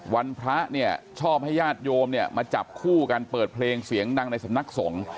วันพระชอบให้ญาติโยมมาจับคู่กันเปิดเพลงเสียงดังในสำนักสง